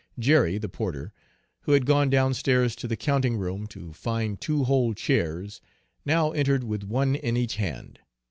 Jerry, the porter, who had gone downstairs to the counting room to find two whole chairs, now entered with one in each hand.